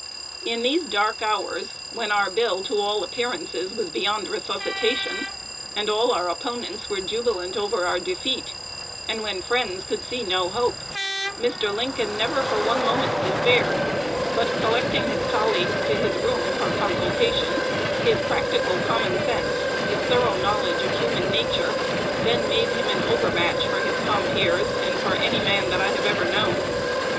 In these dark hours, when our bill to all appearances was beyond resuscitation, and all our opponents were jubilant over our defeat, and when friends could see no hope, Mr. Lincoln never for one moment despaired; but, collecting his colleagues to his room for consultation, his practical common sense, his thorough knowledge of human nature, then made him an overmatch for his compeers, and for any man that I have ever known."